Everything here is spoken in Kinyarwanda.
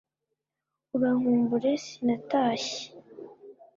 urankumbure sinatashye,